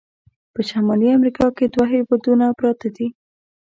په شمالي امریکا کې دوه هیوادونه پراته دي.